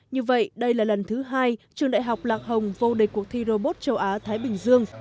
như vậy đây là lần thứ hai trường đại học lạc hồng vô địch cuộc thi robot châu á thái bình dương